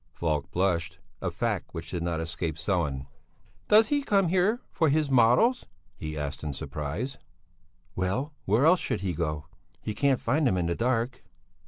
Falk blushed, a fact which did not escape Sellén. "Does he come here for his models?" he asked surprised. "Well, where else should he go to? He can't find them in the dark."